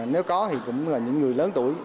nếu có thì cũng là những người lớn tuổi